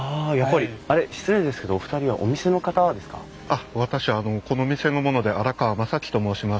あっ私この店の者で新川真己と申します。